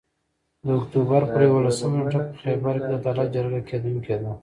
د اُکټوبر پر یوولسمه نیټه په خېبر کې د عدالت جرګه کیدونکي ده